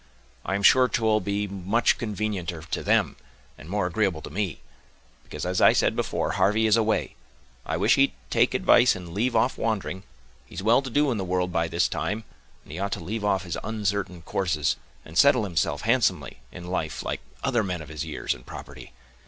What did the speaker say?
I am sure 'twill be much convenienter to them, and more agreeable to me—because, as I said before, Harvey is away; I wish he'd take advice, and leave off wandering; he's well to do in the world by this time; and he ought to leave off his uncertain courses, and settle himself, handsomely, in life, like other men of his years and property.